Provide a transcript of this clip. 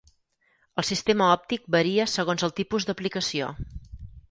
El sistema òptic varia segons el tipus d'aplicació.